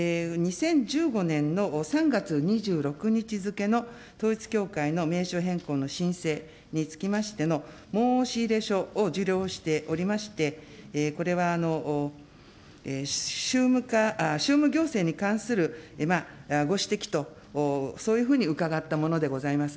２０１５年の３月２６日付の統一教会の名称変更の申請につきましての申し入れ書を受領しておりまして、これは、宗務課、宗務行政に関するご指摘と、そういうふうに伺ったものでございます。